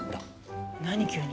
何急に？